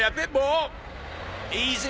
いいぞ。